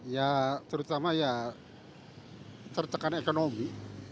ya terutama ya tertekan ekonomi